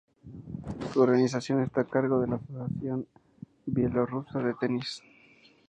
Su organización está a cargo de la Asociación Bielorrusa de Tenis.